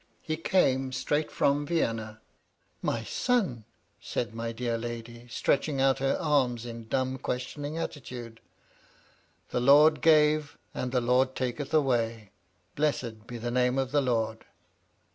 He came straight from Vienna." " My son V said my dear lady, stretching but her arms in dumb questioning attitude. " The Lord gave and the Lord taketh away. Blessed be the name of the Lord."